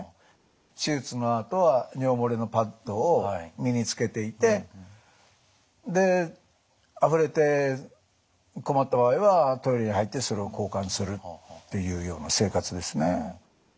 手術のあとは尿漏れのパッドを身につけていてであふれて困った場合はトイレに入ってそれを交換するっていうような生活ですね。